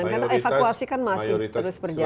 karena evakuasi kan masih terus berjalan